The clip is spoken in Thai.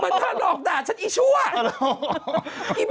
มันท่านหลอกด่าฉันไอ้ช่วง